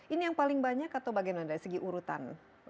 ini yang paling banyak atau bagaimana dari segi urutan